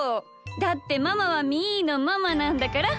だってママはみーのママなんだから。